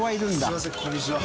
すみませんこんにちは。